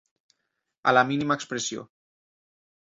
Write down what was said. A la mínima expressió.